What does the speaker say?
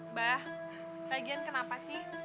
mbak bagian kenapa sih